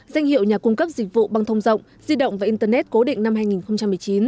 danh hiệu nhà cung cấp dịch vụ băng thông rộng di động và internet cố định năm hai nghìn một mươi chín